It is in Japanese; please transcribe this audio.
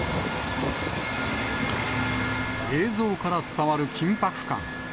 映像から伝わる緊迫感。